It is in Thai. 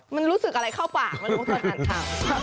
มันรู้สึกอะไรเข้าปากมันรู้สึกอะไร